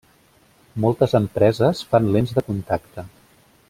Moltes empreses fan lents de contacte.